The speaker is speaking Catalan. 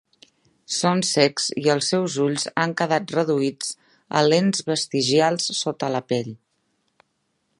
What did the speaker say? Són cecs i els seus ulls han quedat reduïts a lents vestigials sota la pell.